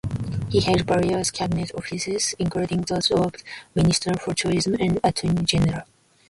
He held various cabinet offices, including those of Minister for Tourism and Attorney-General.